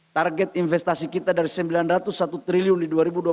target investasi kita dari rp sembilan ratus satu triliun di dua ribu dua puluh satu